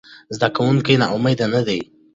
زده کوونکي ناامیده نه دي.